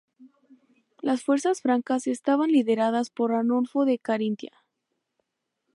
Las fuerzas francas estaban lideradas por Arnulfo de Carintia.